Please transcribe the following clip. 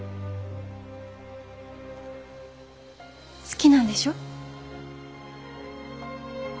好きなんでしょ？